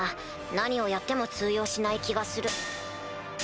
何をやっても通用しない気がする。